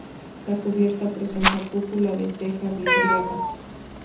La cubierta presenta cúpula de teja vidriada.